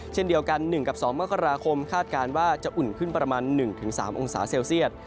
เช่นเดียวกัน๑กับ๒มกราคมคาดการณ์ว่าจะอุ่นขึ้นประมาณ๑๓องศาเซลเซียต